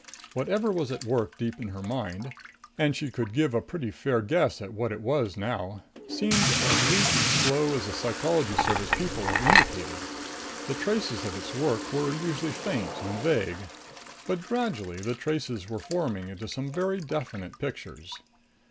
Whatever was at work deep in her mind and she could give a pretty fair guess at what it was now seemed as weak and slow as the Psychology Service people had indicated. The traces of its work were usually faint and vague. But gradually the traces were forming into some very definite pictures.